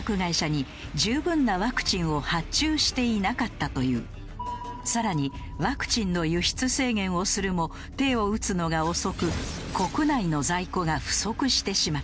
なんとインド政府は更にワクチンの輸出制限をするも手を打つのが遅く国内の在庫が不足してしまった。